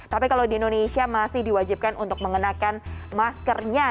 tapi kalau di indonesia masih diwajibkan untuk mengenakan maskernya